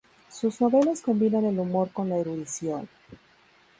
Sus novelas combinan el humor con la erudición.